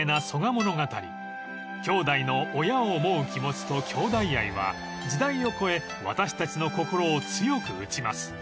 ［兄弟の親を思う気持ちと兄弟愛は時代を超え私たちの心を強く打ちます］